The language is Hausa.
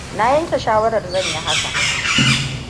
Na yanke shawarar zan yi hakan.